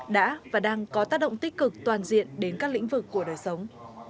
đã và đang có tác động tích cực toàn diện đến các lĩnh vực của đời sống